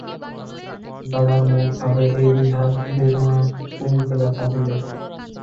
দাদার মুখভাবে এই দ্বিধার বেদনা কুমুকে ব্যথা দিলে।